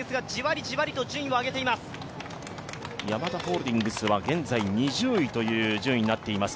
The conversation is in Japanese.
ヤマダホールディングスは現在２０位という順位になっています。